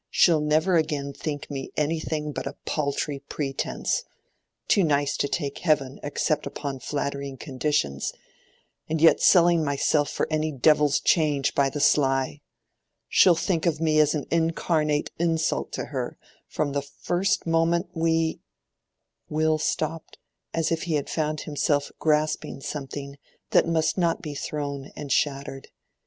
She'll never again think me anything but a paltry pretence—too nice to take heaven except upon flattering conditions, and yet selling myself for any devil's change by the sly. She'll think of me as an incarnate insult to her, from the first moment we—" Will stopped as if he had found himself grasping something that must not be thrown and shattered.